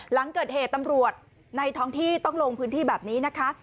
หลังเกิดเหตุตำรวจในท้องที่ต้องลงพื้นที่แบบนี้นะคะ